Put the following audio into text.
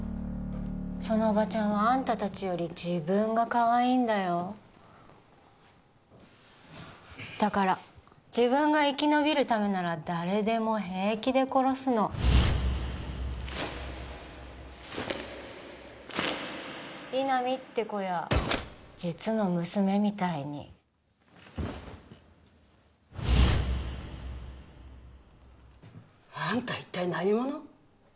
そのオバチャンはあんた達より自分がかわいいんだよだから自分が生き延びるためなら誰でも平気で殺すの井波って子や実の娘みたいにあんた一体何者？